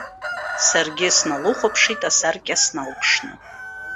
Саргьы сналыхәаԥшит асаркьа сналԥшны.